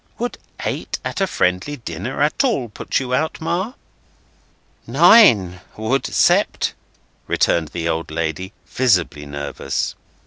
Would eight at a friendly dinner at all put you out, Ma?" "Nine would, Sept," returned the old lady, visibly nervous.